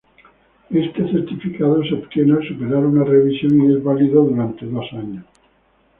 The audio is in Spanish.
Este certificado se obtiene al superar una revisión y es válido durante dos años.